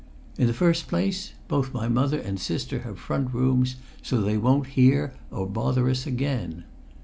"In the first place, both my mother and sister have front rooms, so they won't hear or bother about us again.